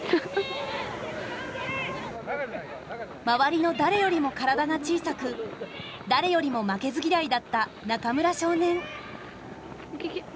周りの誰よりも体が小さく誰よりも負けず嫌いだった中村少年。